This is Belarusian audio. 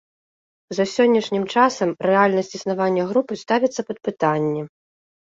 За сённяшнім часам рэальнасць існавання групы ставіцца пад пытанне.